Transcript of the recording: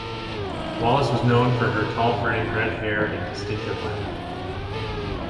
Wallace was known for her tall frame, red hair, and distinctive laugh.